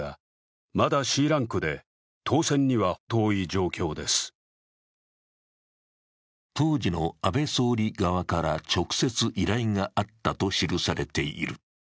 そこには当時の安倍総理側から直接依頼があったと記されている。